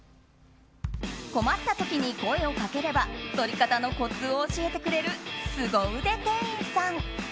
困った時に声をかければ取り方のコツを教えてくれるすご腕店員さん。